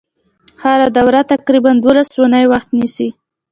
هره دوره تقریبا دولس اونۍ وخت نیسي.